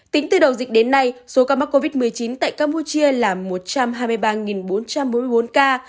tính từ đầu dịch đến nay số ca mắc covid một mươi chín tại campuchia là một trăm hai mươi ba bốn trăm bốn mươi bốn ca